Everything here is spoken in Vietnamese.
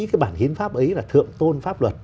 cái bản hiến pháp ấy là thượng tôn pháp luật